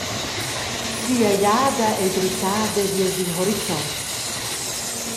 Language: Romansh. Sia egliada ei drizzada viers il horizont.